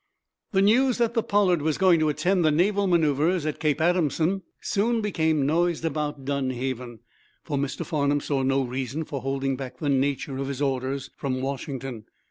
The news that the "Pollard" was going to attend the naval manoeuvres at Cape Adamson soon became noised about Dunhaven, for Mr. Farnum saw no reason for holding back the nature of his orders from Washington.